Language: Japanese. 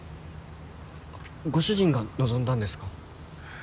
ご主人が望んだんですか？